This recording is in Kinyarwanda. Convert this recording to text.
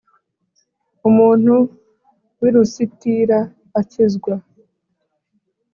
Umuntu w i Lusitira akizwa